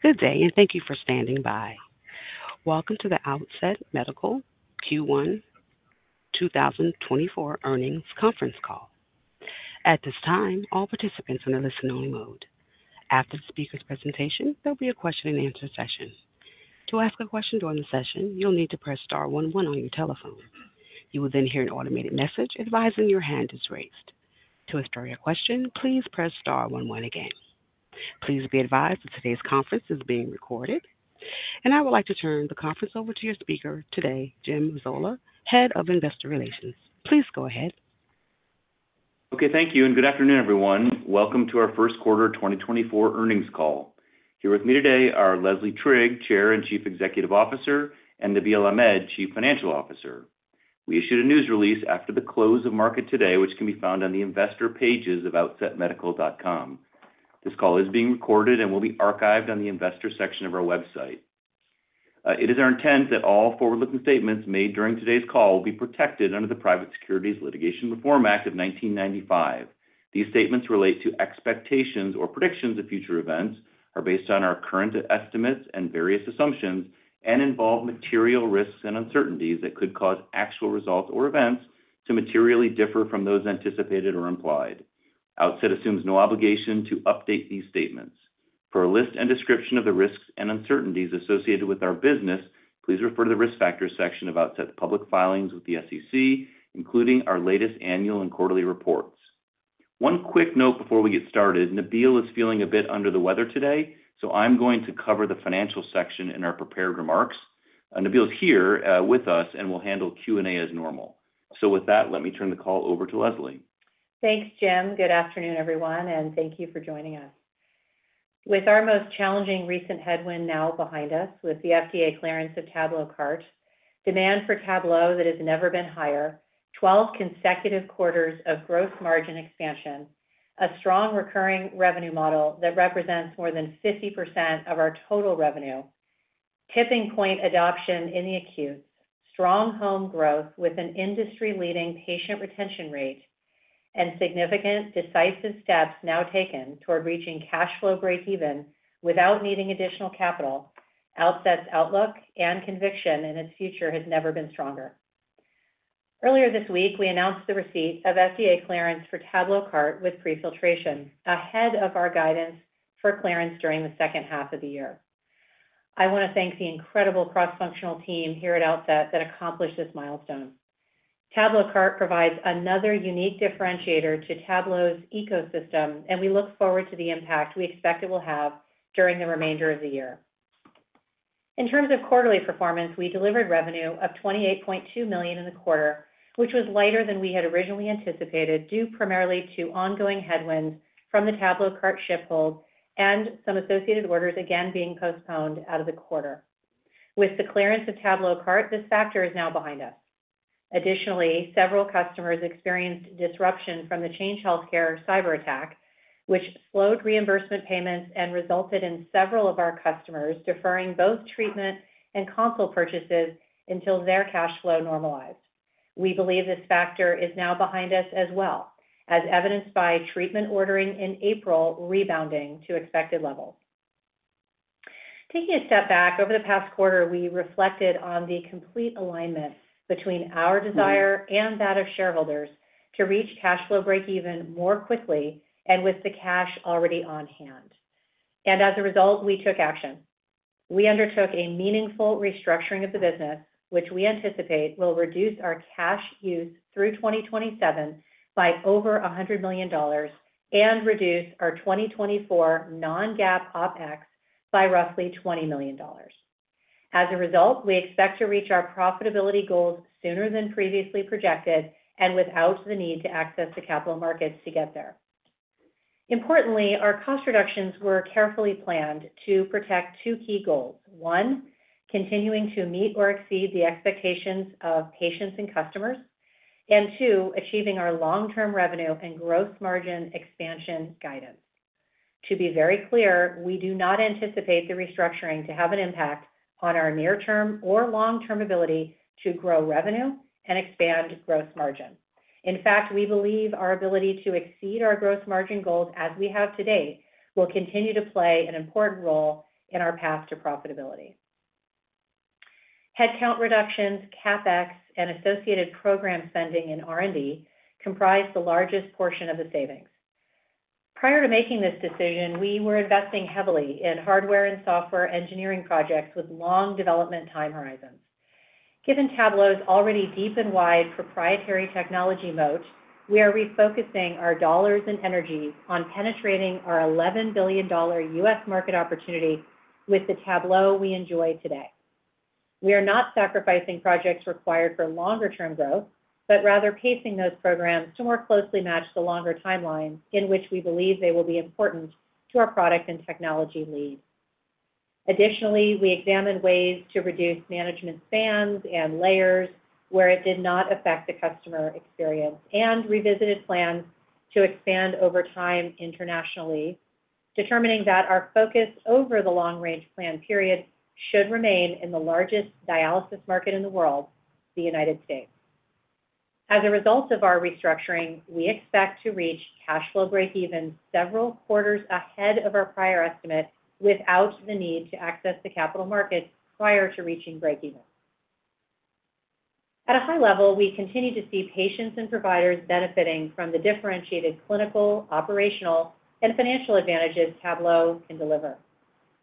Good day, and thank you for standing by. Welcome to the Outset Medical Q1 2024 Earnings Conference Call. At this time, all participants are in a listen-only mode. After the speaker's presentation, there'll be a question-and-answer session. To ask a question during the session, you'll need to press star one one on your telephone. You will then hear an automated message advising your hand is raised. To restore your question, please press star one one again. Please be advised that today's conference is being recorded, and I would like to turn the conference over to your speaker today, Jim Mazzola, Head of Investor Relations. Please go ahead. Okay, thank you, and good afternoon, everyone. Welcome to our First Quarter 2024 Earnings Call. Here with me today are Leslie Trigg, Chair and Chief Executive Officer, and Nabeel Ahmed, Chief Financial Officer. We issued a news release after the close of market today, which can be found on the investor pages of outsetmedical.com. This call is being recorded and will be archived on the investor section of our website. It is our intent that all forward-looking statements made during today's call will be protected under the Private Securities Litigation Reform Act of 1995. These statements relate to expectations or predictions of future events, are based on our current estimates and various assumptions, and involve material risks and uncertainties that could cause actual results or events to materially differ from those anticipated or implied. Outset assumes no obligation to update these statements. For a list and description of the risks and uncertainties associated with our business, please refer to the Risk Factors section of Outset's public filings with the SEC, including our latest annual and quarterly reports. One quick note before we get started. Nabeel is feeling a bit under the weather today, so I'm going to cover the financial section in our prepared remarks. Nabeel's here, with us, and will handle Q&A as normal. With that, let me turn the call over to Leslie. Thanks, Jim. Good afternoon, everyone, and thank you for joining us. With our most challenging recent headwind now behind us, with the FDA clearance of TabloCart, demand for Tablo that has never been higher, 12 consecutive quarters of gross margin expansion, a strong recurring revenue model that represents more than 50% of our total revenue, tipping point adoption in the acute, strong home growth with an industry-leading patient retention rate, and significant, decisive steps now taken toward reaching cash flow breakeven without needing additional capital, Outset's outlook and conviction in its future has never been stronger. Earlier this week, we announced the receipt of FDA clearance for Tablo Cart with Prefiltration, ahead of our guidance for clearance during the second half of the year. I want to thank the incredible cross-functional team here at Outset that accomplished this milestone. TabloCart provides another unique differentiator to Tablo's ecosystem, and we look forward to the impact we expect it will have during the remainder of the year. In terms of quarterly performance, we delivered revenue of $28.2 million in the quarter, which was lighter than we had originally anticipated, due primarily to ongoing headwinds from the TabloCart ship hold and some associated orders again being postponed out of the quarter. With the clearance of TabloCart, this factor is now behind us. Additionally, several customers experienced disruption from the Change Healthcare cyberattack, which slowed reimbursement payments and resulted in several of our customers deferring both treatment and console purchases until their cash flow normalized. We believe this factor is now behind us as well, as evidenced by treatment ordering in April rebounding to expected levels. Taking a step back, over the past quarter, we reflected on the complete alignment between our desire and that of shareholders to reach cash flow breakeven more quickly and with the cash already on hand. As a result, we took action. We undertook a meaningful restructuring of the business, which we anticipate will reduce our cash use through 2027 by over $100 million and reduce our 2024 non-GAAP OpEx by roughly $20 million. As a result, we expect to reach our profitability goals sooner than previously projected and without the need to access the capital markets to get there. Importantly, our cost reductions were carefully planned to protect two key goals. One, continuing to meet or exceed the expectations of patients and customers. And two, achieving our long-term revenue and gross margin expansion guidance. To be very clear, we do not anticipate the restructuring to have an impact on our near-term or long-term ability to grow revenue and expand gross margin. In fact, we believe our ability to exceed our gross margin goals as we have to date, will continue to play an important role in our path to profitability. Headcount reductions, CapEx, and associated program spending in R&D comprise the largest portion of the savings. Prior to making this decision, we were investing heavily in hardware and software engineering projects with long development time horizons. Given Tablo's already deep and wide proprietary technology moat, we are refocusing our dollars and energy on penetrating our $11 billion U.S. market opportunity with the Tablo we enjoy today. We are not sacrificing projects required for longer term growth, but rather pacing those programs to more closely match the longer timelines in which we believe they will be important to our product and technology lead. Additionally, we examined ways to reduce management spans and layers where it did not affect the customer experience, and revisited plans to expand over time internationally, determining that our focus over the long-range plan period should remain in the largest dialysis market in the world, the United States. As a result of our restructuring, we expect to reach cash flow breakeven several quarters ahead of our prior estimate, without the need to access the capital markets prior to reaching breakeven. At a high level, we continue to see patients and providers benefiting from the differentiated clinical, operational, and financial advantages Tablo can deliver.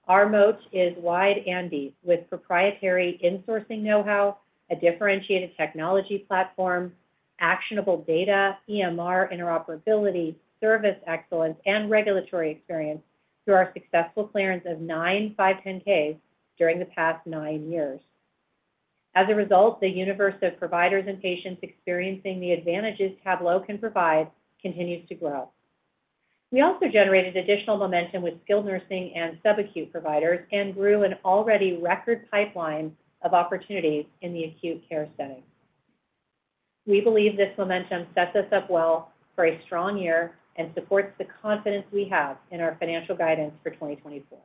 Our moat is wide and deep, with proprietary insourcing know-how, a differentiated technology platform, actionable data, EMR interoperability, service excellence, and regulatory experience through our successful clearance of nine 510(k)s during the past nine years. As a result, the universe of providers and patients experiencing the advantages Tablo can provide continues to grow. We also generated additional momentum with skilled nursing and sub-acute providers and grew an already record pipeline of opportunities in the acute care setting. We believe this momentum sets us up well for a strong year and supports the confidence we have in our financial guidance for 2024.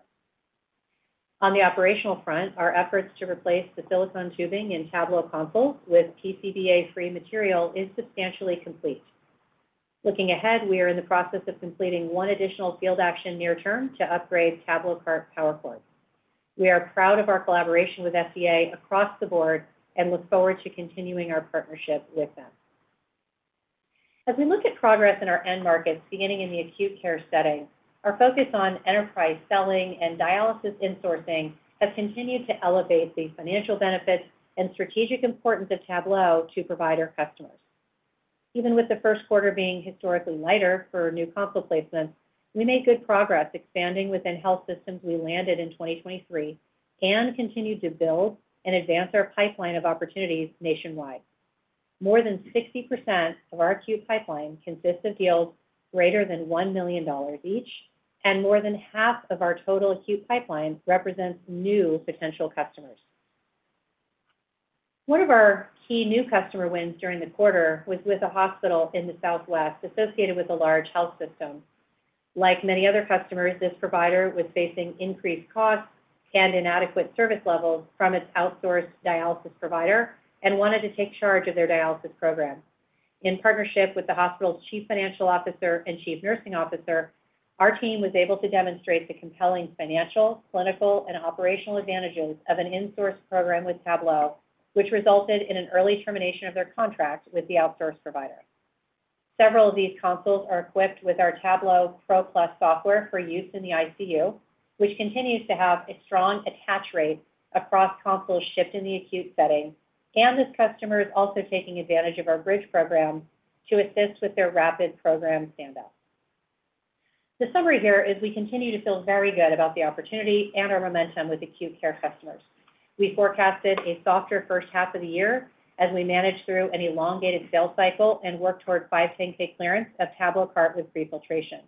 On the operational front, our efforts to replace the silicone tubing in Tablo consoles with PCBA-free material is substantially complete. Looking ahead, we are in the process of completing one additional field action near term to upgrade TabloCart power cords. We are proud of our collaboration with FDA across the board and look forward to continuing our partnership with them. As we look at progress in our end markets, beginning in the acute care setting, our focus on enterprise selling and dialysis insourcing has continued to elevate the financial benefits and strategic importance of Tablo to provider customers. Even with the first quarter being historically lighter for new console placements, we made good progress expanding within health systems we landed in 2023 and continued to build and advance our pipeline of opportunities nationwide. More than 60% of our acute pipeline consists of deals greater than $1 million each, and more than half of our total acute pipeline represents new potential customers. One of our key new customer wins during the quarter was with a hospital in the Southwest associated with a large health system. Like many other customers, this provider was facing increased costs and inadequate service levels from its outsourced dialysis provider and wanted to take charge of their dialysis program. In partnership with the hospital's chief financial officer and chief nursing officer, our team was able to demonstrate the compelling financial, clinical, and operational advantages of an insource program with Tablo, which resulted in an early termination of their contract with the outsourced provider. Several of these consoles are equipped with our Tablo PRO+ software for use in the ICU, which continues to have a strong attach rate across consoles shipped in the acute setting, and this customer is also taking advantage of our bridge program to assist with their rapid program stand-up. The summary here is we continue to feel very good about the opportunity and our momentum with acute care customers. We forecasted a softer first half of the year as we managed through an elongated sales cycle and worked toward 510(k) clearance of TabloCart with Prefiltration,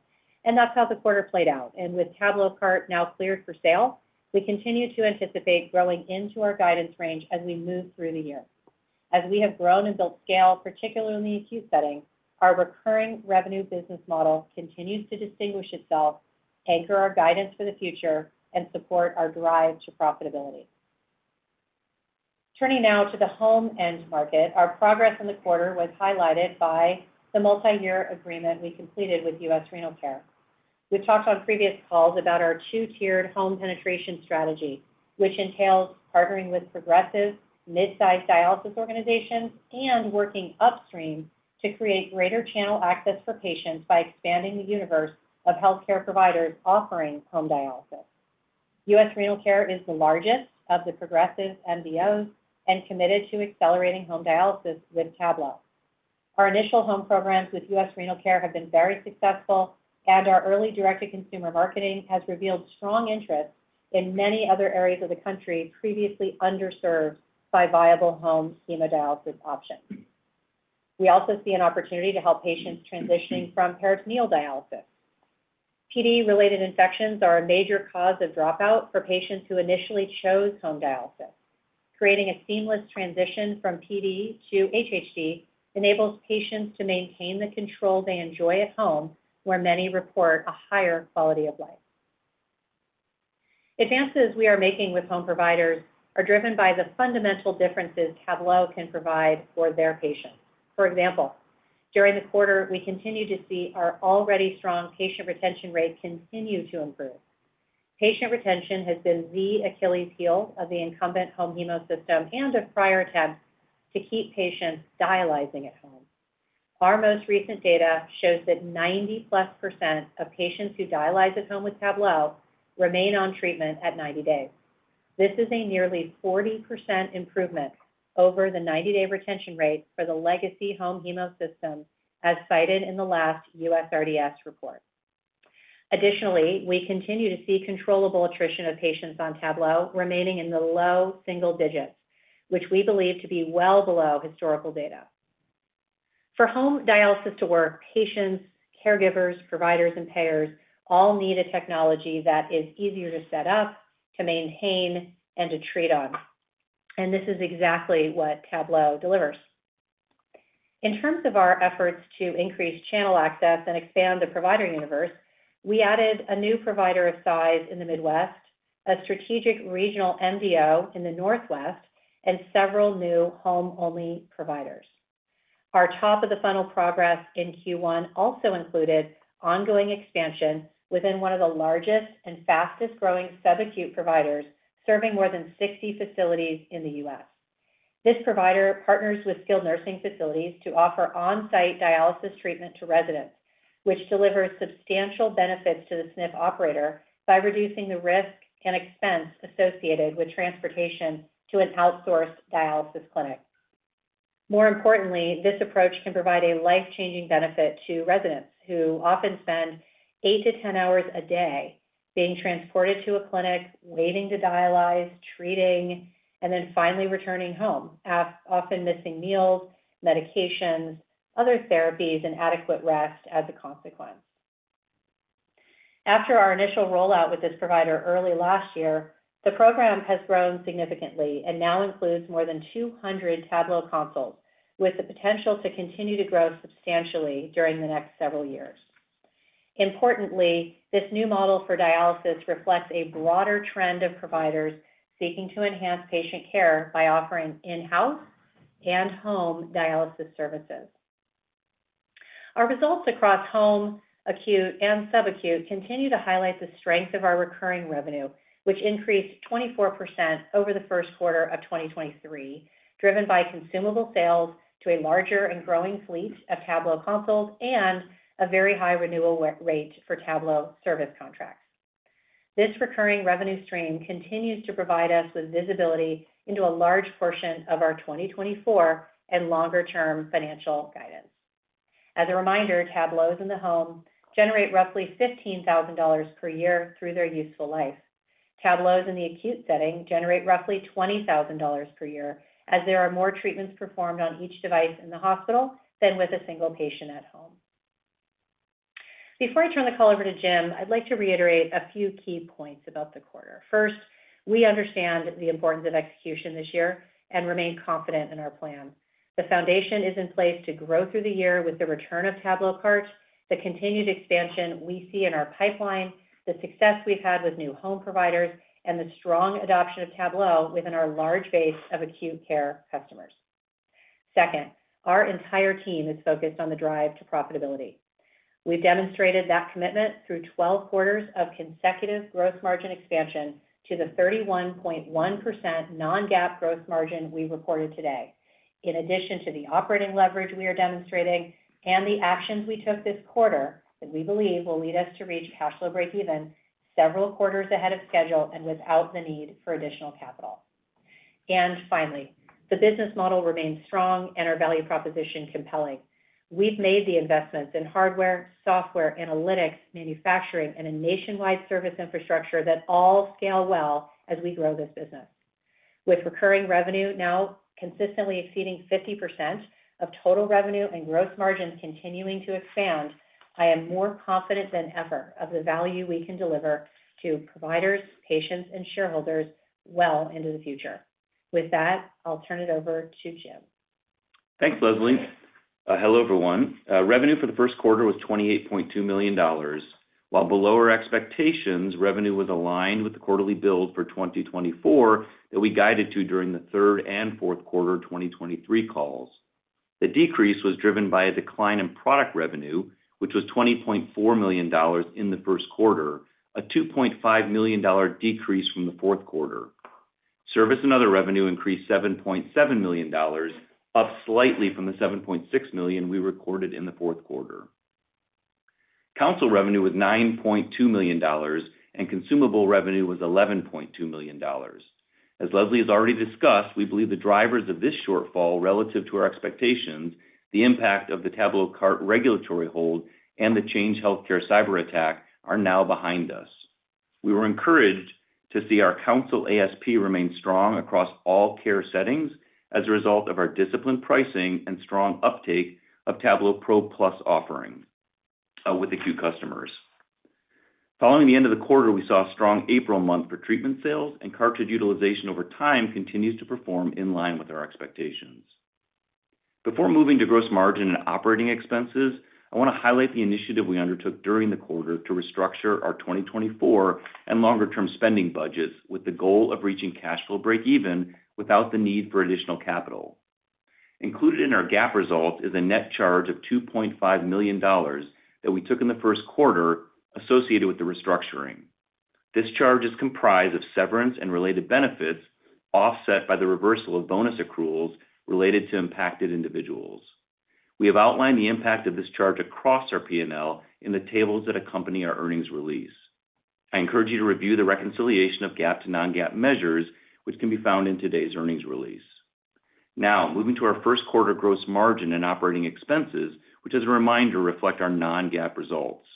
and that's how the quarter played out. With TabloCart now cleared for sale, we continue to anticipate growing into our guidance range as we move through the year. As we have grown and built scale, particularly in the acute setting, our recurring revenue business model continues to distinguish itself, anchor our guidance for the future, and support our drive to profitability. Turning now to the home end market. Our progress in the quarter was highlighted by the multiyear agreement we completed with U.S. Renal Care. We've talked on previous calls about our two-tiered home penetration strategy, which entails partnering with progressive mid-sized dialysis organizations and working upstream to create greater channel access for patients by expanding the universe of healthcare providers offering home dialysis. U.S. Renal Care is the largest of the progressive MDOs and committed to accelerating home dialysis with Tablo. Our initial home programs with U.S. Renal Care have been very successful, and our early direct-to-consumer marketing has revealed strong interest in many other areas of the country previously underserved by viable home hemodialysis options. We also see an opportunity to help patients transitioning from peritoneal dialysis. PD-related infections are a major cause of dropout for patients who initially chose home dialysis. Creating a seamless transition from PD to HHD enables patients to maintain the control they enjoy at home, where many report a higher quality of life. Advances we are making with home providers are driven by the fundamental differences Tablo can provide for their patients. For example, during the quarter, we continued to see our already strong patient retention rate continue to improve. Patient retention has been the Achilles' heel of the incumbent home hemo system and of prior attempts to keep patients dialyzing at home. Our most recent data shows that 90+% of patients who dialyze at home with Tablo remain on treatment at 90 days. This is a nearly 40% improvement over the 90-day retention rate for the legacy home hemo system, as cited in the last USRDS report. Additionally, we continue to see controllable attrition of patients on Tablo remaining in the low single digits, which we believe to be well below historical data. For home dialysis to work, patients, caregivers, providers, and payers all need a technology that is easier to set up, to maintain, and to treat on, and this is exactly what Tablo delivers. In terms of our efforts to increase channel access and expand the provider universe,... We added a new provider of size in the Midwest, a strategic regional MDO in the Northwest, and several new home-only providers. Our top-of-the-funnel progress in Q1 also included ongoing expansion within one of the largest and fastest-growing sub-acute providers, serving more than 60 facilities in the U.S. This provider partners with skilled nursing facilities to offer on-site dialysis treatment to residents, which delivers substantial benefits to the SNF operator by reducing the risk and expense associated with transportation to an outsourced dialysis clinic. More importantly, this approach can provide a life-changing benefit to residents who often spend eight to 10 hours a day being transported to a clinic, waiting to dialyze, treating, and then finally returning home, often missing meals, medications, other therapies, and adequate rest as a consequence. After our initial rollout with this provider early last year, the program has grown significantly and now includes more than 200 Tablo consoles, with the potential to continue to grow substantially during the next several years. Importantly, this new model for dialysis reflects a broader trend of providers seeking to enhance patient care by offering in-house and home dialysis services. Our results across home, acute, and sub-acute continue to highlight the strength of our recurring revenue, which increased 24% over the first quarter of 2023, driven by consumable sales to a larger and growing fleet of Tablo consoles and a very high renewal rate for Tablo service contracts. This recurring revenue stream continues to provide us with visibility into a large portion of our 2024 and longer-term financial guidance. As a reminder, Tablos in the home generate roughly $15,000 per year through their useful life. Tablos in the acute setting generate roughly $20,000 per year, as there are more treatments performed on each device in the hospital than with a single patient at home. Before I turn the call over to Jim, I'd like to reiterate a few key points about the quarter. First, we understand the importance of execution this year and remain confident in our plan. The foundation is in place to grow through the year with the return of TabloCart, the continued expansion we see in our pipeline, the success we've had with new home providers, and the strong adoption of Tablo within our large base of acute care customers. Second, our entire team is focused on the drive to profitability. We've demonstrated that commitment through 12 quarters of consecutive gross margin expansion to the 31.1% non-GAAP gross margin we reported today. In addition to the operating leverage we are demonstrating and the actions we took this quarter, that we believe will lead us to reach cash flow breakeven several quarters ahead of schedule and without the need for additional capital. And finally, the business model remains strong and our value proposition compelling. We've made the investments in hardware, software, analytics, manufacturing, and a nationwide service infrastructure that all scale well as we grow this business. With recurring revenue now consistently exceeding 50% of total revenue and gross margin continuing to expand, I am more confident than ever of the value we can deliver to providers, patients, and shareholders well into the future. With that, I'll turn it over to Jim. Thanks, Leslie. Hello, everyone. Revenue for the first quarter was $28.2 million. While below our expectations, revenue was aligned with the quarterly build for 2024 that we guided to during the third and fourth quarter of 2023 calls. The decrease was driven by a decline in product revenue, which was $20.4 million in the first quarter, a $2.5 million decrease from the fourth quarter. Service and other revenue increased $7.7 million, up slightly from the $7.6 million we recorded in the fourth quarter. Console revenue was $9.2 million, and consumable revenue was $11.2 million. As Leslie has already discussed, we believe the drivers of this shortfall relative to our expectations, the impact of the TabloCart regulatory hold, and the Change Healthcare cyberattack, are now behind us. We were encouraged to see our console ASP remain strong across all care settings as a result of our disciplined pricing and strong uptake of Tablo PRO+ offerings, with acute customers. Following the end of the quarter, we saw a strong April month for treatment sales, and cartridge utilization over time continues to perform in line with our expectations. Before moving to gross margin and operating expenses, I want to highlight the initiative we undertook during the quarter to restructure our 2024 and longer-term spending budgets with the goal of reaching cash flow breakeven without the need for additional capital. Included in our GAAP results is a net charge of $2.5 million that we took in the first quarter associated with the restructuring. This charge is comprised of severance and related benefits, offset by the reversal of bonus accruals related to impacted individuals. We have outlined the impact of this charge across our P&L in the tables that accompany our earnings release. I encourage you to review the reconciliation of GAAP to non-GAAP measures, which can be found in today's earnings release. Now, moving to our first quarter gross margin and operating expenses, which, as a reminder, reflect our non-GAAP results.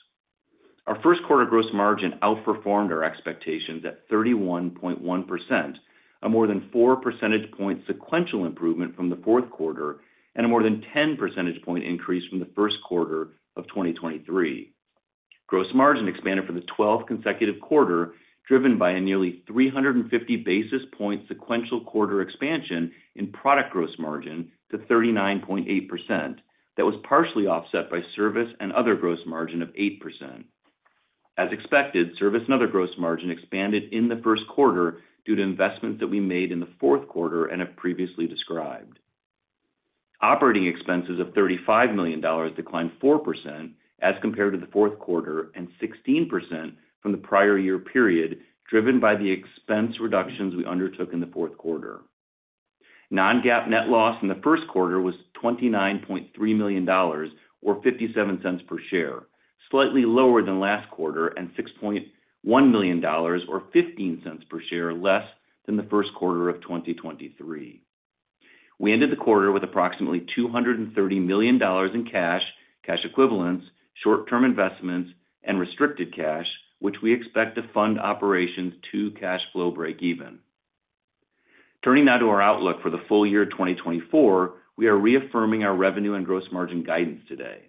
Our first quarter gross margin outperformed our expectations at 31.1%, a more than 4 percentage point sequential improvement from the fourth quarter and a more than 10 percentage point increase from the first quarter of 2023. Gross margin expanded for the twelfth consecutive quarter, driven by a nearly 350 basis point sequential quarter expansion in product gross margin to 39.8%. That was partially offset by service and other gross margin of 8%. As expected, service and other gross margin expanded in the first quarter due to investments that we made in the fourth quarter and have previously described. Operating expenses of $35 million declined 4% as compared to the fourth quarter and 16% from the prior year period, driven by the expense reductions we undertook in the fourth quarter. Non-GAAP net loss in the first quarter was $29.3 million, or $0.57 per share, slightly lower than last quarter, and $6.1 million or $0.15 per share less than the first quarter of 2023. We ended the quarter with approximately $230 million in cash, cash equivalents, short-term investments, and restricted cash, which we expect to fund operations to cash flow breakeven. Turning now to our outlook for the full year 2024, we are reaffirming our revenue and gross margin guidance today.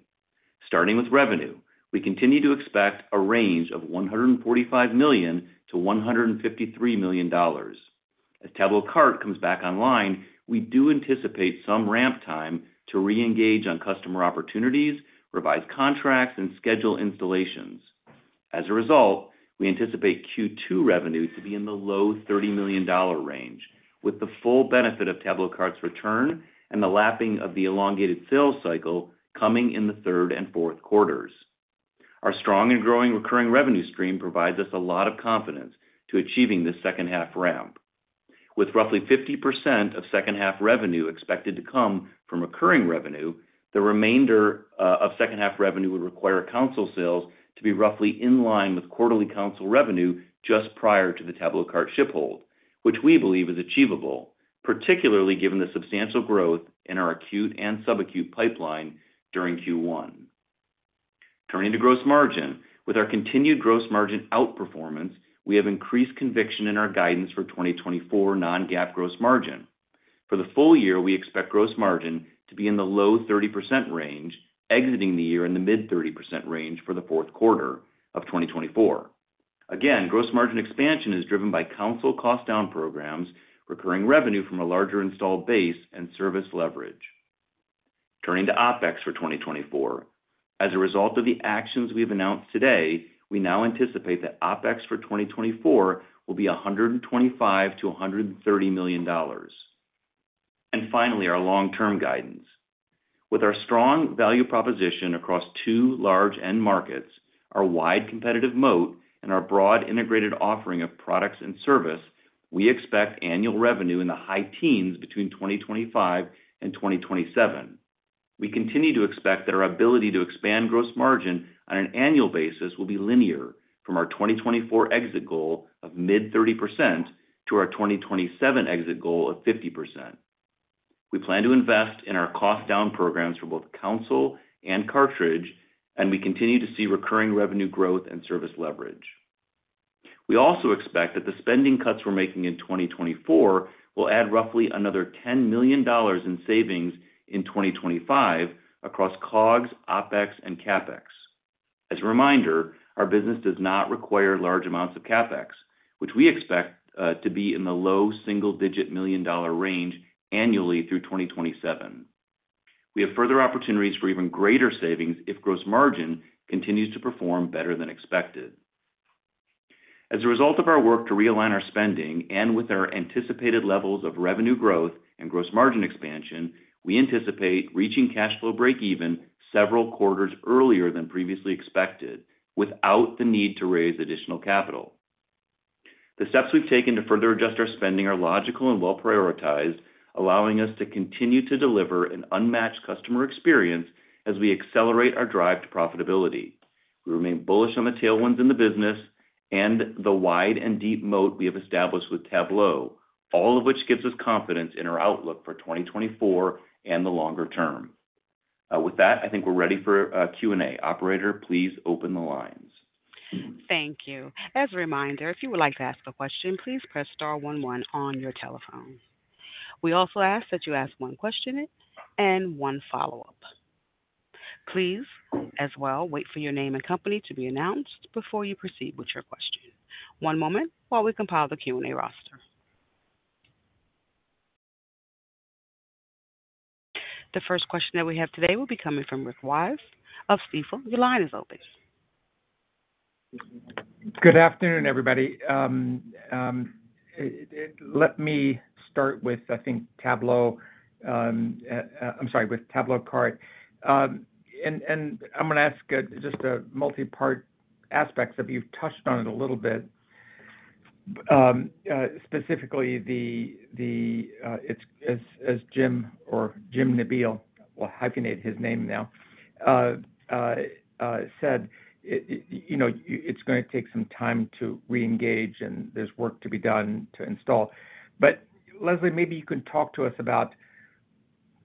Starting with revenue, we continue to expect a range of $145 million-$153 million. As TabloCart comes back online, we do anticipate some ramp time to reengage on customer opportunities, revise contracts, and schedule installations. As a result, we anticipate Q2 revenue to be in the low $30 million range, with the full benefit of TabloCart's return and the lapping of the elongated sales cycle coming in the third and fourth quarters. Our strong and growing recurring revenue stream provides us a lot of confidence to achieving this second half ramp. With roughly 50% of second half revenue expected to come from recurring revenue, the remainder, of second half revenue would require console sales to be roughly in line with quarterly console revenue just prior to the TabloCart ship hold, which we believe is achievable, particularly given the substantial growth in our acute and sub-acute pipeline during Q1. Turning to gross margin. With our continued gross margin outperformance, we have increased conviction in our guidance for 2024 non-GAAP gross margin. For the full year, we expect gross margin to be in the low 30% range, exiting the year in the mid-30% range for the fourth quarter of 2024. Again, gross margin expansion is driven by console cost down programs, recurring revenue from a larger installed base and service leverage. Turning to OpEx for 2024. As a result of the actions we've announced today, we now anticipate that OpEx for 2024 will be $125 million-$130 million. And finally, our long-term guidance. With our strong value proposition across two large end markets, our wide competitive moat, and our broad integrated offering of products and service, we expect annual revenue in the high teens between 2025 and 2027. We continue to expect that our ability to expand gross margin on an annual basis will be linear from our 2024 exit goal of mid-30% to our 2027 exit goal of 50%. We plan to invest in our cost down programs for both console and cartridge, and we continue to see recurring revenue growth and service leverage. We also expect that the spending cuts we're making in 2024 will add roughly another $10 million in savings in 2025 across COGS, OpEx and CapEx. As a reminder, our business does not require large amounts of CapEx, which we expect to be in the low single-digit million-dollar range annually through 2027. We have further opportunities for even greater savings if gross margin continues to perform better than expected. As a result of our work to realign our spending and with our anticipated levels of revenue growth and gross margin expansion, we anticipate reaching cash flow breakeven several quarters earlier than previously expected, without the need to raise additional capital. The steps we've taken to further adjust our spending are logical and well prioritized, allowing us to continue to deliver an unmatched customer experience as we accelerate our drive to profitability. We remain bullish on the tailwinds in the business and the wide and deep moat we have established with Tablo, all of which gives us confidence in our outlook for 2024 and the longer term. With that, I think we're ready for Q&A. Operator, please open the lines. Thank you. As a reminder, if you would like to ask a question, please press star one one on your telephone. We also ask that you ask one question and one follow-up. Please, as well, wait for your name and company to be announced before you proceed with your question. One moment while we compile the Q&A roster. The first question that we have today will be coming from Rick Wise of Stifel. Your line is open. Good afternoon, everybody. Let me start with, I think, TabloCart. I'm sorry, with TabloCart. And I'm gonna ask, just a multipart aspects of you've touched on it a little bit. Specifically, the, it's as, as Jim or Nabeel, we'll hyphenate his name now, said, you know, it's gonna take some time to reengage, and there's work to be done to install. But Leslie, maybe you can talk to us about,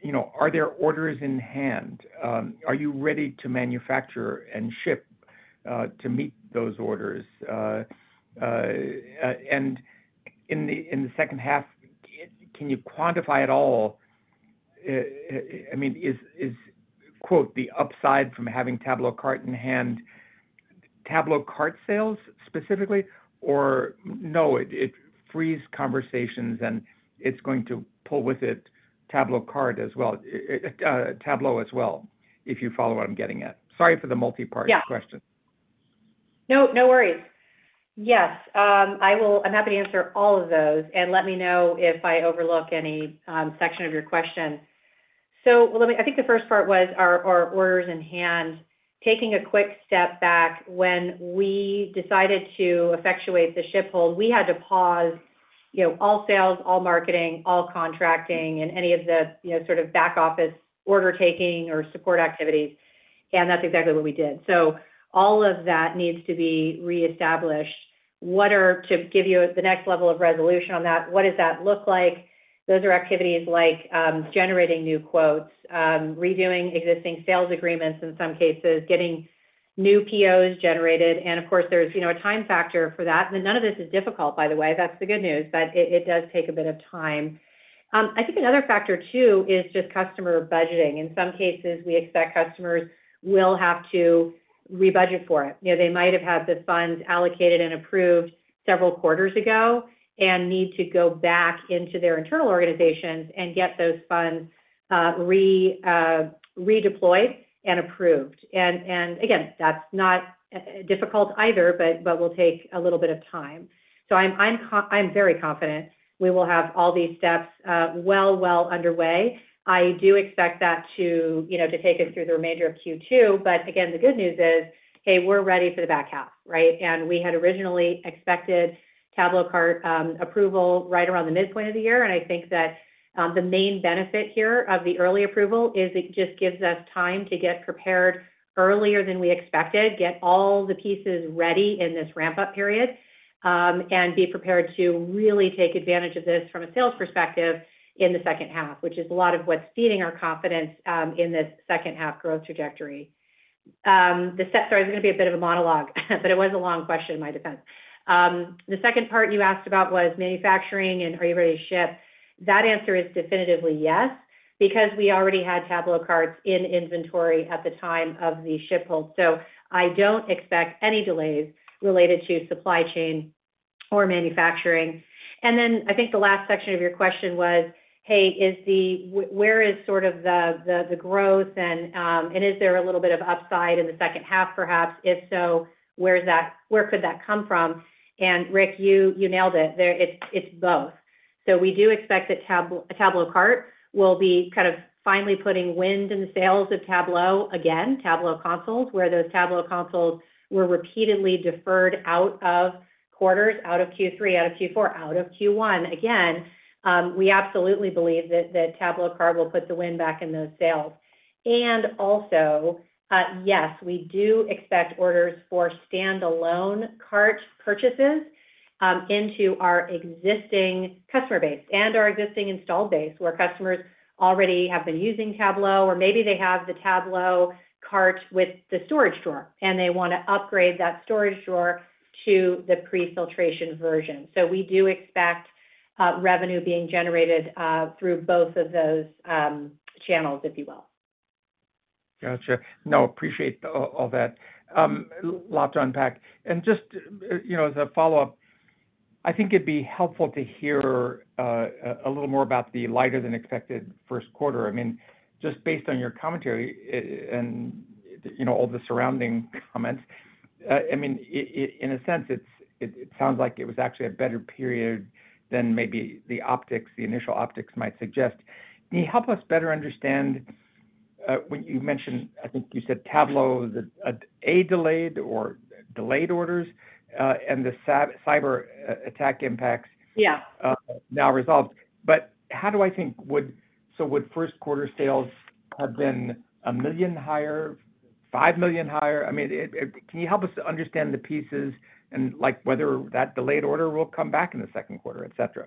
you know, are there orders in hand? Are you ready to manufacture and ship, to meet those orders? And in the second half, can you quantify at all, I mean, is, is, quote, "The upside from having TabloCart in hand," TabloCart sales specifically, or no, it, it frees conversations, and it's going to pull with it TabloCart as well, Tablo as well, if you follow what I'm getting at. Sorry for the multipart question.... No, no worries. Yes, I'm happy to answer all of those, and let me know if I overlook any section of your question. So let me. I think the first part was our, our orders in hand. Taking a quick step back, when we decided to effectuate the ship hold, we had to pause, you know, all sales, all marketing, all contracting, and any of the, you know, sort of back office order taking or support activities, and that's exactly what we did. So all of that needs to be reestablished. What are? To give you the next level of resolution on that, what does that look like? Those are activities like, generating new quotes, reviewing existing sales agreements, in some cases, getting new POs generated. And of course, there's, you know, a time factor for that. But none of this is difficult, by the way. That's the good news, but it does take a bit of time. I think another factor, too, is just customer budgeting. In some cases, we expect customers will have to rebudget for it. You know, they might have had the funds allocated and approved several quarters ago and need to go back into their internal organizations and get those funds redeployed and approved. And again, that's not difficult either, but will take a little bit of time. So I'm confident we will have all these steps well underway. I do expect that to, you know, to take us through the remainder of Q2. But again, the good news is, hey, we're ready for the back half, right? And we had originally expected TabloCart approval right around the midpoint of the year. And I think that, the main benefit here of the early approval is it just gives us time to get prepared earlier than we expected, get all the pieces ready in this ramp-up period, and be prepared to really take advantage of this from a sales perspective in the second half, which is a lot of what's feeding our confidence in this second half growth trajectory. Sorry, this is gonna be a bit of a monologue, but it was a long question in my defense. The second part you asked about was manufacturing and are you ready to ship? That answer is definitively yes, because we already had TabloCarts in inventory at the time of the ship hold. So I don't expect any delays related to supply chain or manufacturing. And then I think the last section of your question was, Hey, where is sort of the, the, the growth and, and is there a little bit of upside in the second half, perhaps? If so, where is that-- where could that come from? And Rick, you, you nailed it. There-- It's, it's both. So we do expect that TabloCart will be kind of finally putting wind in the sails of Tablo, again, Tablo consoles, where those Tablo consoles were repeatedly deferred out of quarters, out of Q3, out of Q4, out of Q1. Again, we absolutely believe that the TabloCart will put the wind back in those sails. And also, yes, we do expect orders for standalone cart purchases into our existing customer base and our existing install base, where customers already have been using Tablo, or maybe they have the TabloCart with the storage drawer, and they want to upgrade that storage drawer to the pre-filtration version. So we do expect revenue being generated through both of those channels, if you will. Gotcha. No, appreciate all that. A lot to unpack. And just, you know, as a follow-up, I think it'd be helpful to hear a little more about the lighter than expected first quarter. I mean, just based on your commentary, and, you know, all the surrounding comments, I mean, in a sense, it sounds like it was actually a better period than maybe the optics, the initial optics might suggest. Can you help us better understand when you mentioned, I think you said Tablo, the delayed orders, and the cyberattack impacts- Yeah. Now resolved. But how do I think would... So would first quarter sales have been $1 million higher, $5 million higher? I mean, can you help us understand the pieces and, like, whether that delayed order will come back in the second quarter, et cetera?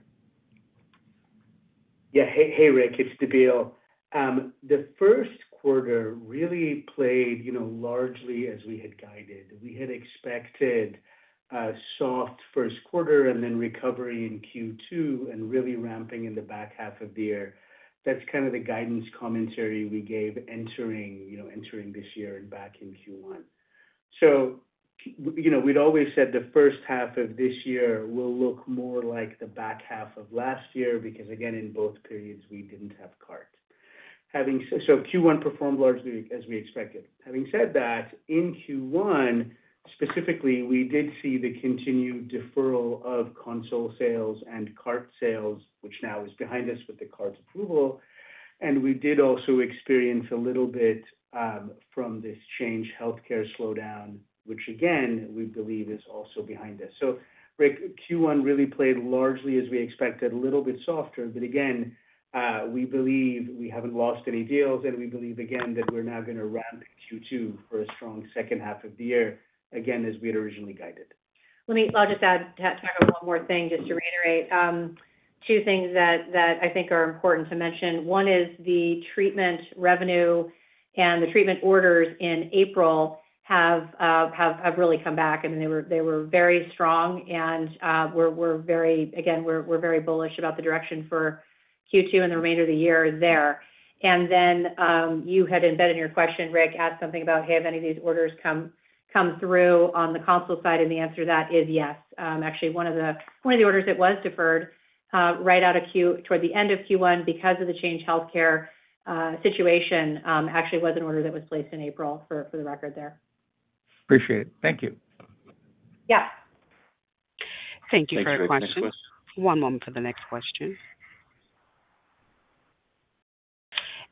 Yeah. Hey, hey, Rick, it's Nabeel. The first quarter really played, you know, largely as we had guided. We had expected a soft first quarter and then recovery in Q2 and really ramping in the back half of the year. That's kind of the guidance commentary we gave entering, you know, entering this year and back in Q1. So, you know, we'd always said the first half of this year will look more like the back half of last year, because again, in both periods, we didn't have cart. Having so Q1 performed largely as we expected. Having said that, in Q1, specifically, we did see the continued deferral of console sales and cart sales, which now is behind us with the cart's approval. And we did also experience a little bit from this Change Healthcare slowdown, which again, we believe is also behind us. Rick, Q1 really played largely as we expected, a little bit softer, but again, we believe we haven't lost any deals, and we believe, again, that we're now going to ramp Q2 for a strong second half of the year, again, as we had originally guided. Let me - I'll just add to kind of one more thing, just to reiterate. Two things that I think are important to mention. One is the treatment revenue and the treatment orders in April have really come back, and they were very strong, and we're very. Again, we're very bullish about the direction for Q2 and the remainder of the year there. And then, you had embedded in your question, Rick asked something about, hey, have any of these orders come through on the console side? And the answer to that is yes. Actually, one of the orders that was deferred right out of Q1 toward the end of Q1, because of the Change Healthcare situation, actually was an order that was placed in April for the record there. Appreciate it. Thank you. Yeah.... Thank you for that question. One moment for the next question.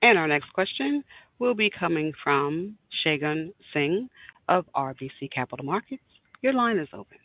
Our next question will be coming from Shagun Singh of RBC Capital Markets. Your line is open.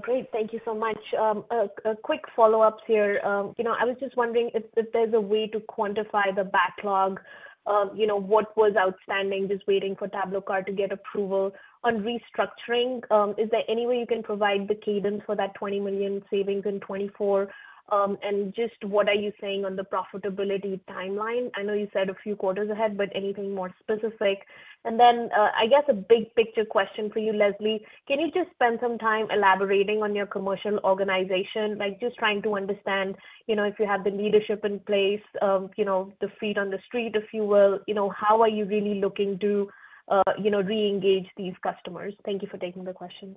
Great. Thank you so much. A quick follow-up here. You know, I was just wondering if there's a way to quantify the backlog of, you know, what was outstanding, just waiting for TabloCart to get approval on restructuring. Is there any way you can provide the cadence for that $20 million savings in 2024? And just what are you saying on the profitability timeline? I know you said a few quarters ahead, but anything more specific? And then, I guess a big-picture question for you, Leslie. Can you just spend some time elaborating on your commercial organization? Like, just trying to understand, you know, if you have the leadership in place, you know, the feet on the street, if you will. You know, how are you really looking to, you know, reengage these customers? Thank you for taking the questions.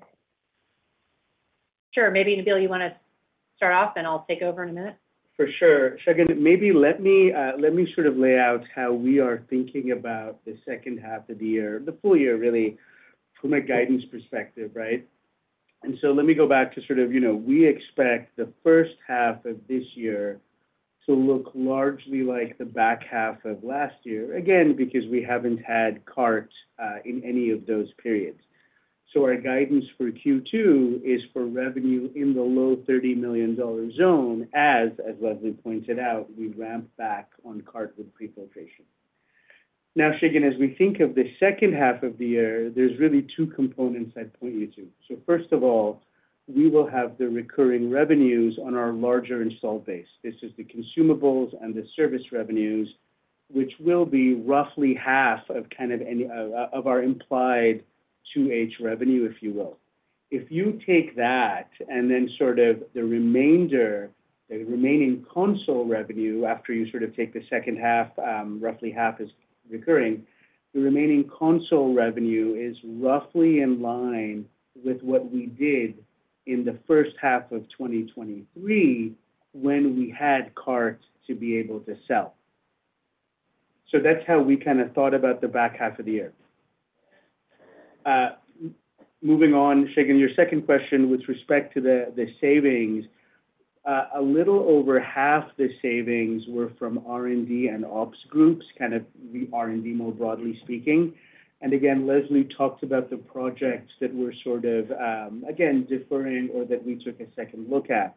Sure. Maybe, Nabeel, you want to start off, and I'll take over in a minute? For sure. Shagun, maybe let me let me sort of lay out how we are thinking about the second half of the year, the full year, really, from a guidance perspective, right? And so let me go back to sort of, you know, we expect the first half of this year to look largely like the back half of last year, again, because we haven't had Cart in any of those periods. So our guidance for Q2 is for revenue in the low $30 million zone, as Leslie pointed out, we ramp back on Cart with Prefiltration. Now, Shagun, as we think of the second half of the year, there's really two components I'd point you to. So first of all, we will have the recurring revenues on our larger installed base. This is the consumables and the service revenues, which will be roughly half of kind of any of our implied 2H revenue, if you will. If you take that and then sort of the remainder, the remaining console revenue, after you sort of take the second half, roughly half is recurring, the remaining console revenue is roughly in line with what we did in the first half of 2023, when we had cart to be able to sell. So that's how we kind of thought about the back half of the year. Moving on, Shagun, your second question with respect to the, the savings. A little over half the savings were from R&D and ops groups, kind of the R&D, more broadly speaking. And again, Leslie talked about the projects that were sort of, again, deferring or that we took a second look at.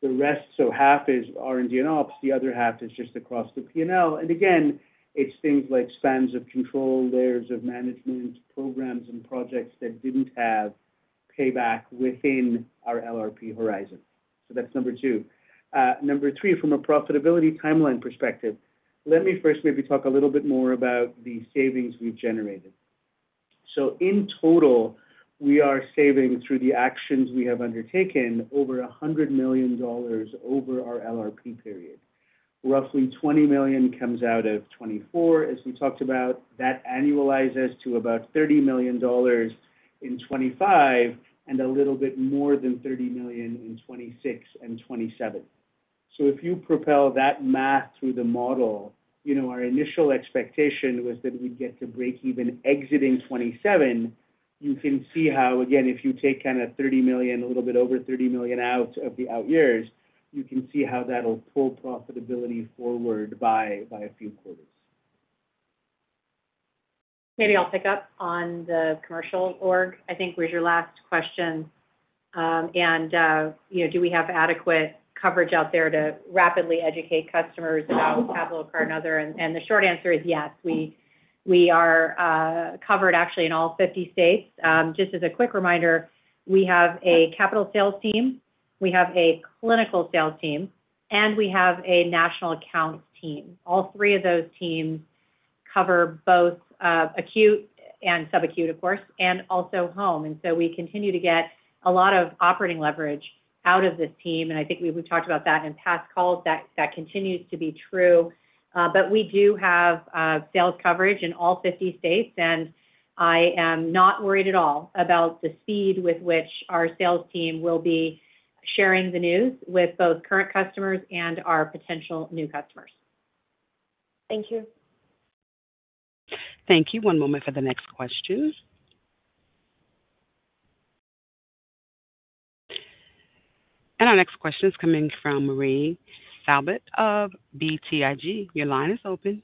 The rest, so half is R&D and ops, the other half is just across the P&L. And again, it's things like spans of control, layers of management, programs and projects that didn't have payback within our LRP horizon. So that's number two. Number three, from a profitability timeline perspective, let me first maybe talk a little bit more about the savings we've generated. So in total, we are saving, through the actions we have undertaken, over $100 million over our LRP period. Roughly $20 million comes out of 2024, as we talked about. That annualizes to about $30 million in 2025 and a little bit more than $30 million in 2026 and 2027. So if you propel that math through the model, you know, our initial expectation was that we'd get to breakeven exiting 2027. You can see how, again, if you take kind of $30 million, a little bit over $30 million out of the out years, you can see how that'll pull profitability forward by, by a few quarters. Maybe I'll pick up on the commercial org, I think was your last question. And, you know, do we have adequate coverage out there to rapidly educate customers about TabloCart and other? And, the short answer is yes. We are covered actually in all 50 states. Just as a quick reminder, we have a capital sales team, we have a clinical sales team, and we have a national accounts team. All three of those teams cover both, acute and sub-acute, of course, and also home. And so we continue to get a lot of operating leverage out of this team, and I think we've, we've talked about that in past calls. That continues to be true. We do have sales coverage in all 50 states, and I am not worried at all about the speed with which our sales team will be sharing the news with both current customers and our potential new customers. Thank you. Thank you. One moment for the next question. And our next question is coming from Marie Thibault of BTIG. Your line is open.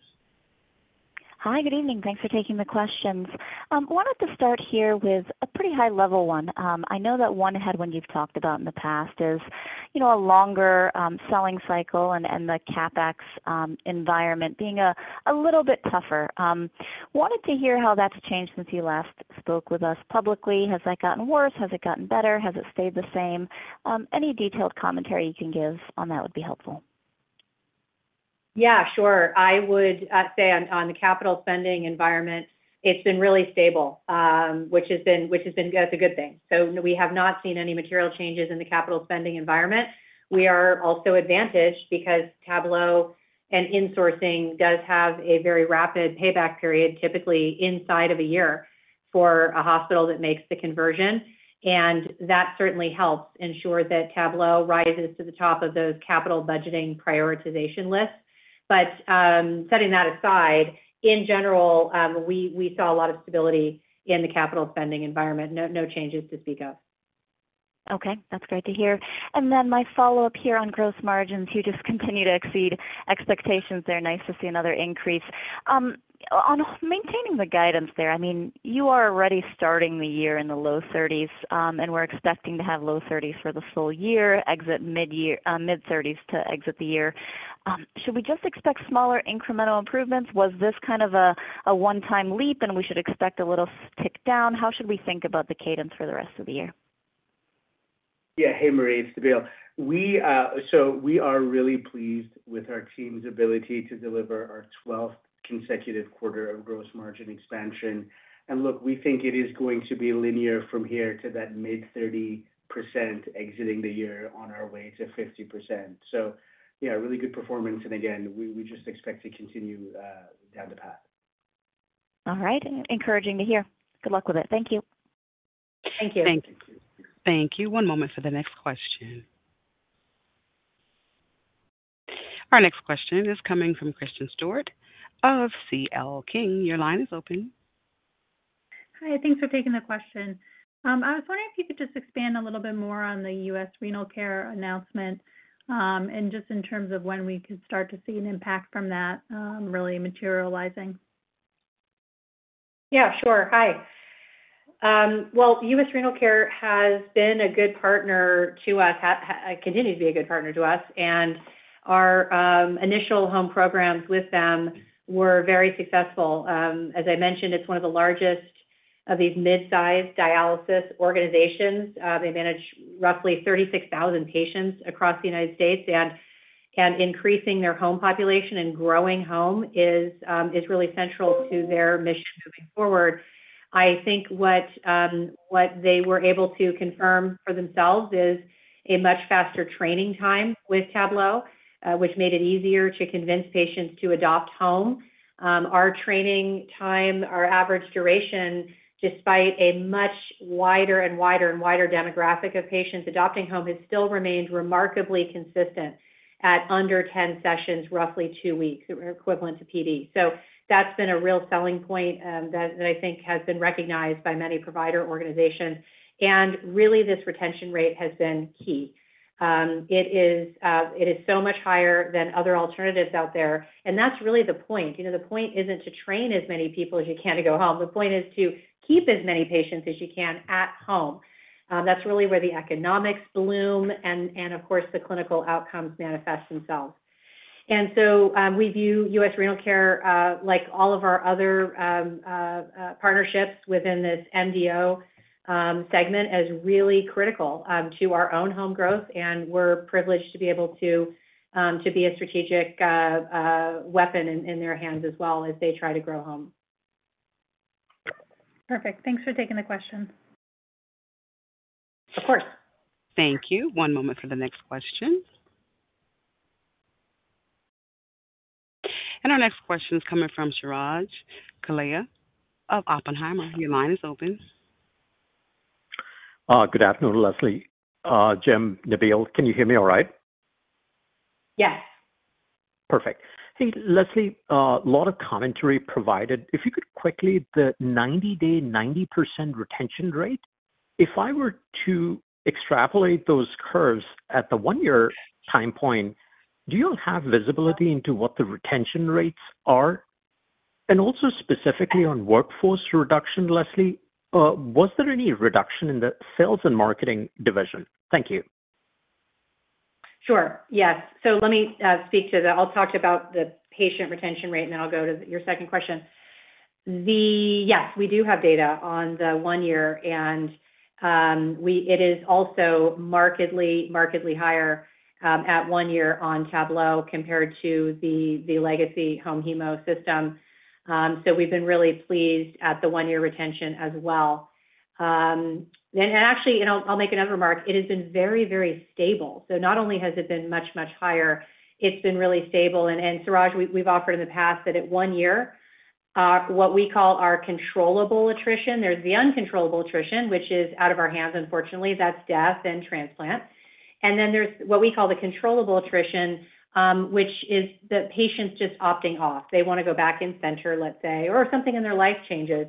Hi, good evening. Thanks for taking the questions. Wanted to start here with a pretty high-level one. I know that one you've talked about in the past is, you know, a longer selling cycle and the CapEx environment being a little bit tougher. Wanted to hear how that's changed since you last spoke with us publicly. Has that gotten worse? Has it gotten better? Has it stayed the same? Any detailed commentary you can give on that would be helpful. Yeah, sure. I would say on the capital spending environment, it's been really stable, which has been a good thing. So we have not seen any material changes in the capital spending environment. We are also advantaged because Tablo and insourcing does have a very rapid payback period, typically inside of a year, for a hospital that makes the conversion. And that certainly helps ensure that Tablo rises to the top of those capital budgeting prioritization lists. But, setting that aside, in general, we saw a lot of stability in the capital spending environment. No changes to speak of.... Okay, that's great to hear. And then my follow-up here on gross margins, you just continue to exceed expectations there. Nice to see another increase. On maintaining the guidance there, I mean, you are already starting the year in the low 30s%, and we're expecting to have low 30s% for this full year, exit midyear, mid-30s% to exit the year. Should we just expect smaller incremental improvements? Was this kind of a one-time leap, and we should expect a little tick down? How should we think about the cadence for the rest of the year? Yeah. Hey, Marie, it's Nabil. We, so we are really pleased with our team's ability to deliver our 12th consecutive quarter of gross margin expansion. And look, we think it is going to be linear from here to that mid-30% exiting the year on our way to 50%. So yeah, really good performance, and again, we just expect to continue down the path. All right. Encouraging to hear. Good luck with it. Thank you. Thank you. Thank you. Thank you. One moment for the next question. Our next question is coming from Kristen Stewart of CL King. Your line is open. Hi, thanks for taking the question. I was wondering if you could just expand a little bit more on the U.S. Renal Care announcement, and just in terms of when we could start to see an impact from that, really materializing? Yeah, sure. Hi. Well, U.S. Renal Care has been a good partner to us, continues to be a good partner to us, and our initial home programs with them were very successful. As I mentioned, it's one of the largest of these mid-sized dialysis organizations. They manage roughly 36,000 patients across the United States, and increasing their home population and growing home is really central to their mission moving forward. I think what they were able to confirm for themselves is a much faster training time with Tablo, which made it easier to convince patients to adopt home. Our training time, our average duration, despite a much wider and wider and wider demographic of patients adopting home, has still remained remarkably consistent at under 10 sessions, roughly two weeks, equivalent to PD. So that's been a real selling point, that I think has been recognized by many provider organizations. And really, this retention rate has been key. It is so much higher than other alternatives out there, and that's really the point. You know, the point isn't to train as many people as you can to go home. The point is to keep as many patients as you can at home. That's really where the economics bloom and, of course, the clinical outcomes manifest themselves. And so, we view U.S. Renal Care, like all of our other partnerships within this MDO segment, as really critical to our own home growth, and we're privileged to be able to be a strategic weapon in their hands as well as they try to grow home. Perfect. Thanks for taking the question. Of course. Thank you. One moment for the next question. Our next question is coming from Suraj Kalia of Oppenheimer. Your line is open. Good afternoon, Leslie. Jim, Nabeel, can you hear me all right? Yes. Perfect. Hey, Leslie, a lot of commentary provided. If you could, quickly, the 90-day, 90% retention rate, if I were to extrapolate those curves at the one-year time point, do you have visibility into what the retention rates are? And also specifically on workforce reduction, Leslie, was there any reduction in the sales and marketing division? Thank you. Sure. Yes. So let me speak to that. I'll talk about the patient retention rate, and then I'll go to your second question. Yes, we do have data on the one year, and it is also markedly, markedly higher at one year on Tablo compared to the legacy home hemo System. So we've been really pleased at the one-year retention as well. And actually, I'll make another remark. It has been very, very stable. So not only has it been much, much higher, it's been really stable. And Suraj, we've offered in the past that at one year what we call our controllable attrition. There's the uncontrollable attrition, which is out of our hands, unfortunately. That's death and transplant. And then there's what we call the controllable attrition, which is the patients just opting off. They wanna go back in center, let's say, or something in their life changes.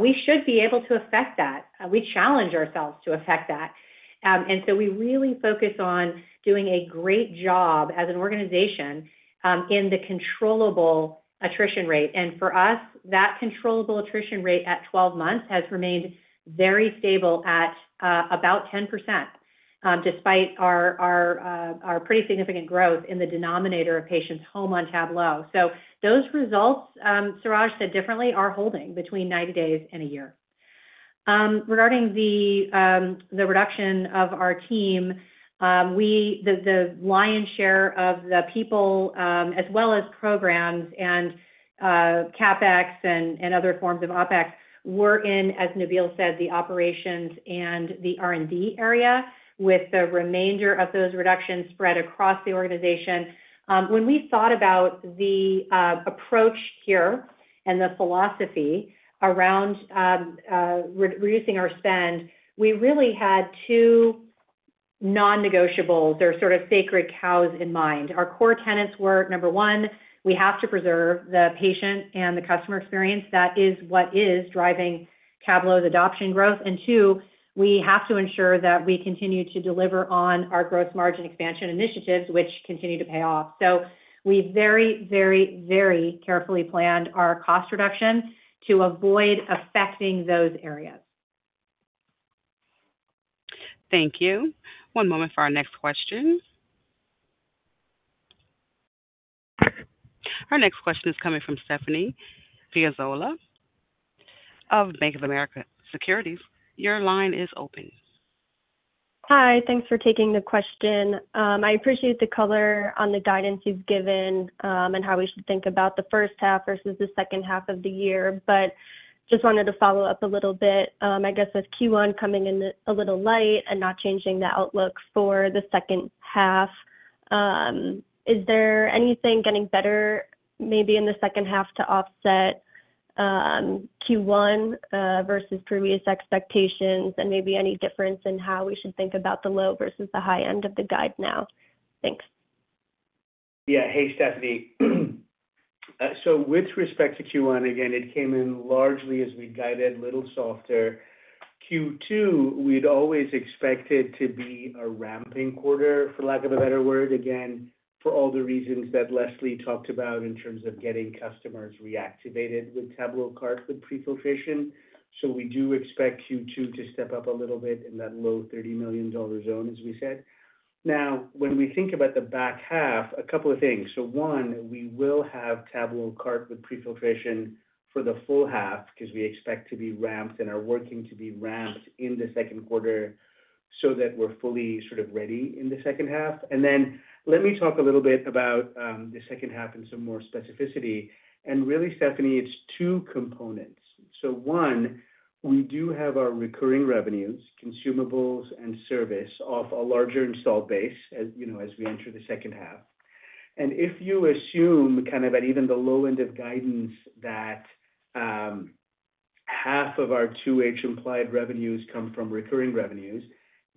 We should be able to affect that. We challenge ourselves to affect that. And so we really focus on doing a great job as an organization in the controllable attrition rate. And for us, that controllable attrition rate at 12 months has remained very stable at about 10%, despite our pretty significant growth in the denominator of patients home on Tablo. So those results, Suraj, said differently, are holding between 90 days and a year. Regarding the reduction of our team, the lion's share of the people, as well as programs and CapEx and other forms of OpEx, were in, as Nabeel said, the operations and the R&D area, with the remainder of those reductions spread across the organization. When we thought about the approach here and the philosophy around reducing our spend, we really had two non-negotiables or sort of sacred cows in mind. Our core tenets were, number one, we have to preserve the patient and the customer experience. That is what is driving Tablo's adoption growth. And two, we have to ensure that we continue to deliver on our gross margin expansion initiatives, which continue to pay off. So we very, very, very carefully planned our cost reduction to avoid affecting those areas. Thank you. One moment for our next question. Our next question is coming from Stephanie Piazzola of Bank of America Securities. Your line is open. Hi, thanks for taking the question. I appreciate the color on the guidance you've given, and how we should think about the first half versus the second half of the year. But just wanted to follow up a little bit, I guess, with Q1 coming in a little light and not changing the outlook for the second half, is there anything getting better, maybe in the second half to offset Q1 versus previous expectations, and maybe any difference in how we should think about the low versus the high end of the guide now? Thanks. Yeah. Hey, Stephanie. So with respect to Q1, again, it came in largely as we guided, little softer. Q2, we'd always expected to be a ramping quarter, for lack of a better word, again, for all the reasons that Leslie talked about in terms of getting customers reactivated with TabloCart with Prefiltration. So we do expect Q2 to step up a little bit in that low $30 million zone, as we said. Now, when we think about the back half, a couple of things. So one, we will have TabloCart with Prefiltration for the full half because we expect to be ramped and are working to be ramped in the second quarter so that we're fully sort of ready in the second half. And then let me talk a little bit about the second half in some more specificity. And really, Stephanie, it's two components. So one, we do have our recurring revenues, consumables and service, of a larger installed base, as, you know, as we enter the second half. And if you assume kind of at even the low end of guidance, that half of our 2H implied revenues come from recurring revenues,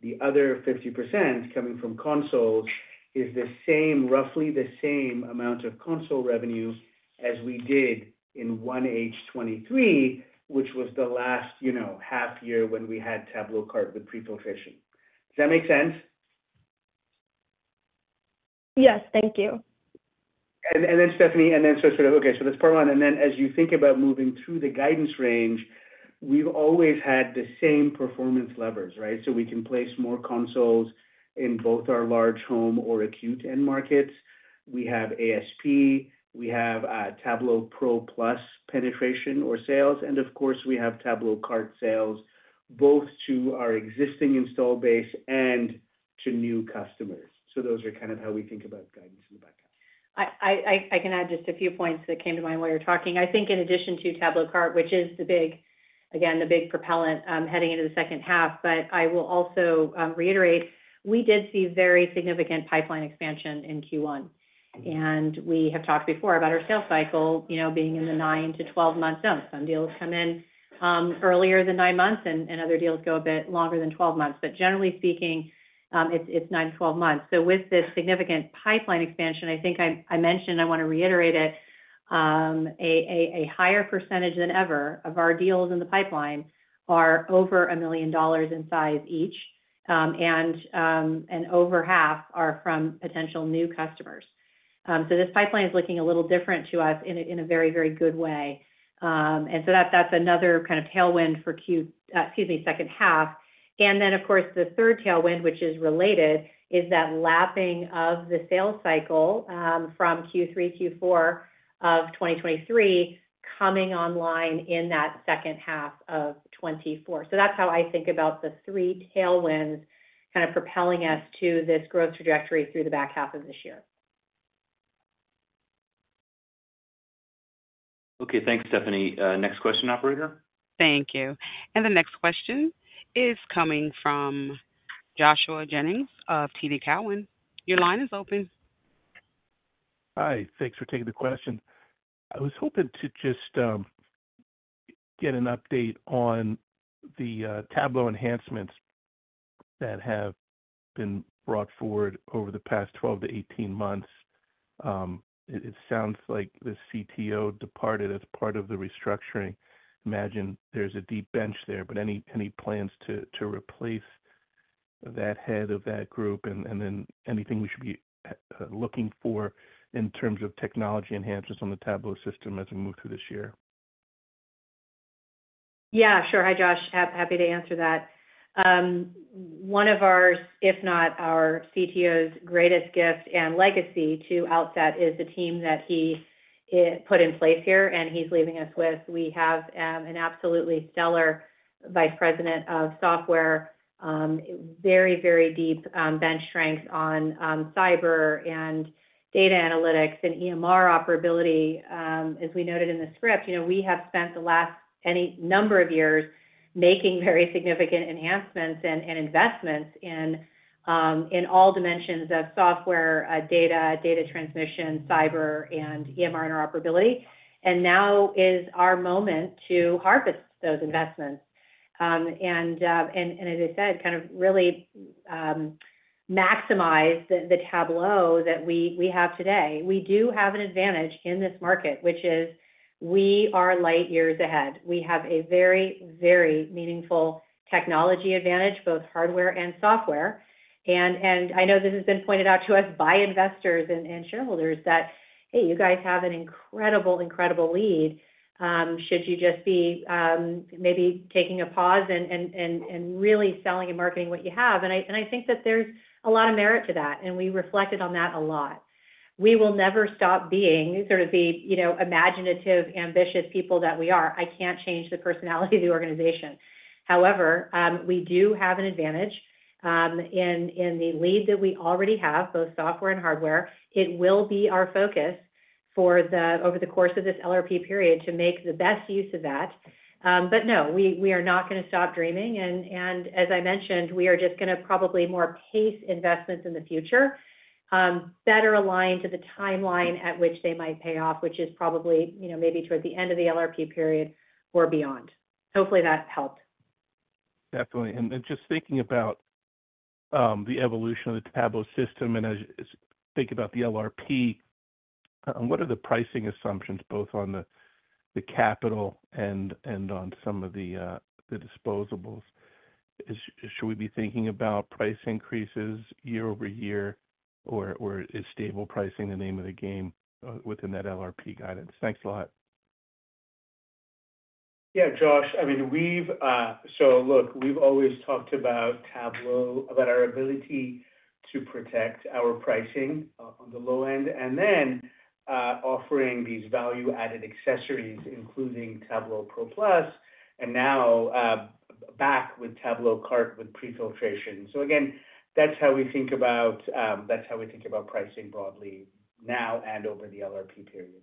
the other 50% coming from console is the same—roughly the same amount of console revenue as we did in 1H 2023, which was the last, you know, half year when we had TabloCart with Prefiltration. Does that make sense? Yes. Thank you. And then, Stephanie, so that's part one. And then as you think about moving through the guidance range, we've always had the same performance levers, right? So we can place more consoles in both our large home or acute end markets. We have ASP, we have Tablo PRO+ penetration or sales, and of course, we have TabloCart sales, both to our existing installed base and to new customers. So those are kind of how we think about guidance in the back end. I can add just a few points that came to mind while you're talking. I think in addition to Tablo Cart, which is the big, again, the big propellant heading into the second half, but I will also reiterate, we did see very significant pipeline expansion in Q1, and we have talked before about our sales cycle, you know, being in the nine- to 12-month zone. Some deals come in earlier than nine months and other deals go a bit longer than 12 months. But generally speaking, it's nine to 12 months. So with this significant pipeline expansion, I think I mentioned, I want to reiterate it, a higher percentage than ever of our deals in the pipeline are over $1 million in size each, and over half are from potential new customers. So this pipeline is looking a little different to us in a very, very good way. And so that's another kind of tailwind for, excuse me, second half. And then, of course, the third tailwind, which is related, is that lapping of the sales cycle from Q3, Q4 of 2023 coming online in that second half of 2024. So that's how I think about the three tailwinds kind of propelling us to this growth trajectory through the back half of this year. Okay. Thanks, Stephanie. Next question, operator. Thank you. The next question is coming from Joshua Jennings of TD Cowen. Your line is open. Hi, thanks for taking the question. I was hoping to just get an update on the Tablo enhancements that have been brought forward over the past 12-18 months. It sounds like the CTO departed as part of the restructuring. Imagine there's a deep bench there, but any plans to replace that head of that group, and then anything we should be looking for in terms of technology enhancements on the Tablo system as we move through this year? Yeah, sure. Hi, Josh. Happy to answer that. One of our, if not our CTO's greatest gift and legacy to Outset, is the team that he put in place here, and he's leaving us with. We have an absolutely stellar vice president of software, very, very deep bench strength on cyber and data analytics and EMR interoperability. As we noted in the script, you know, we have spent the last any number of years making very significant enhancements and investments in all dimensions of software, data transmission, cyber, and EMR interoperability. And now is our moment to harvest those investments. And as I said, kind of really maximize the Tablo that we have today. We do have an advantage in this market, which is we are light years ahead. We have a very, very meaningful technology advantage, both hardware and software. I know this has been pointed out to us by investors and shareholders that, "Hey, you guys have an incredible, incredible lead. Should you just be maybe taking a pause and really selling and marketing what you have?" I think that there's a lot of merit to that, and we reflected on that a lot. We will never stop being sort of the, you know, imaginative, ambitious people that we are. I can't change the personality of the organization. However, we do have an advantage in the lead that we already have, both software and hardware. It will be our focus over the course of this LRP period, to make the best use of that. But no, we are not gonna stop dreaming. And as I mentioned, we are just gonna probably more paced investments in the future, better aligned to the timeline at which they might pay off, which is probably, you know, maybe towards the end of the LRP period or beyond. Hopefully, that's helped. Definitely. And just thinking about the evolution of the Tablo system, and as you think about the LRP, what are the pricing assumptions, both on the capital and on some of the disposables? Should we be thinking about price increases year over year, or is stable pricing the name of the game within that LRP guidance? Thanks a lot. Yeah, Josh, I mean, so look, we've always talked about Tablo, about our ability to protect our pricing on the low end, and then offering these value-added accessories, including Tablo PRO+, and now back with TabloCart with Prefiltration. So again, that's how we think about pricing broadly now and over the LRP period.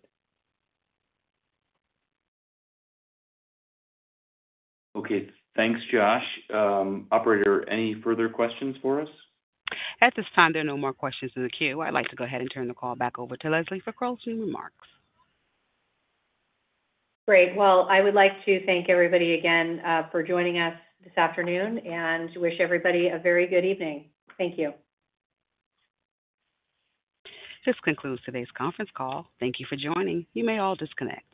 Okay. Thanks, Josh. Operator, any further questions for us? At this time, there are no more questions in the queue. I'd like to go ahead and turn the call back over to Leslie for closing remarks. Great. Well, I would like to thank everybody again, for joining us this afternoon, and wish everybody a very good evening. Thank you. This concludes today's conference call. Thank you for joining. You may all disconnect.